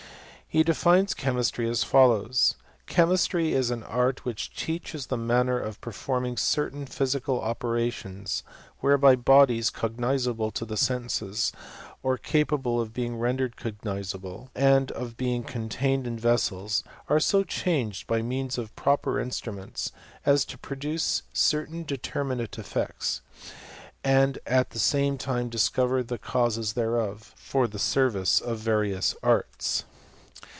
He defines chemistry as follows :" Chemistry is aa^ art which teaches the manner of performing certain' physical operations, whereby bodies cognizable to the" senses, or capable of being rendered cognizable, and^ of being contained in vessels, are so changed by mean8> of proper instruments, as to produce certain determinate", effects; and at the same time discover the causess thereof ; for the service of various arts."